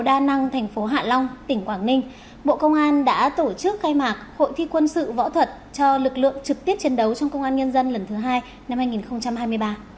đa năng thành phố hạ long tỉnh quảng ninh bộ công an đã tổ chức khai mạc hội thi quân sự võ thuật cho lực lượng trực tiếp chiến đấu trong công an nhân dân lần thứ hai năm hai nghìn hai mươi ba